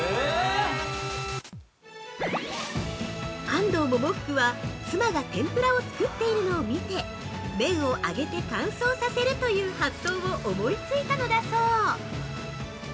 ◆安藤百福は、妻が天ぷらを作っているのを見て麺を揚げて乾燥させるという発想を思いついたのだそう。